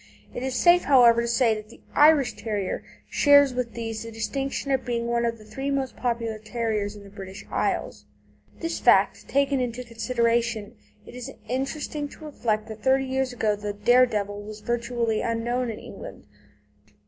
It is safe, however, to say that the Irish Terrier shares with these the distinction of being one of the three most popular terriers in the British Isles. This fact taken into consideration, it is interesting to reflect that thirty years ago the "Dare Devil" was virtually unknown in England.